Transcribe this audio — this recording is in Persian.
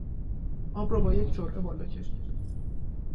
آب را با یک جرعه بالا کشید.